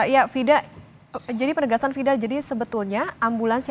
ya fida jadi penegasan fida jadi sebetulnya ambulans